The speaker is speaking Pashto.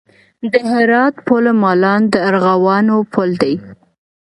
د هرات پل مالان د ارغوانو پل دی